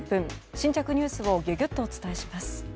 新着ニュースをギュギュッとお伝えします。